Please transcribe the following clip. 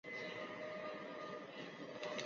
巴拉什兄弟百货公司之间。